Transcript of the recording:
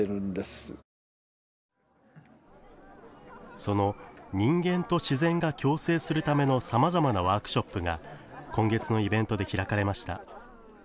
その人間と自然が共生するためのさまざまなワークショップが今月のイベントで開かれました。